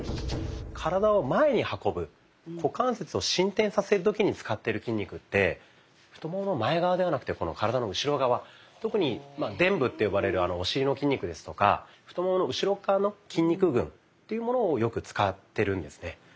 体を前に運ぶ股関節を伸展させる時に使ってる筋肉って太ももの前側ではなくて体の後ろ側特にでん部って呼ばれるお尻の筋肉ですとか太ももの後ろ側の筋肉群っていうものをよく使ってるんですね。